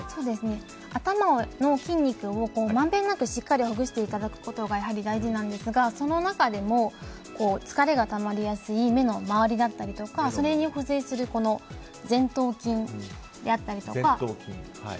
頭の筋肉をまんべんなくしっかりほぐしていただくことがやはり大事なんですがその中でも疲れがたまりやすい目の周りだったりとかそれに付随する前頭筋だったり。